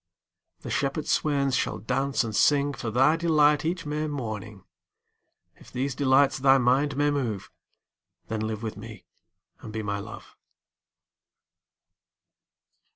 20 The shepherd swains shall dance and sing For thy delight each May morning: If these delights thy mind may move, Then live with me and be my Love.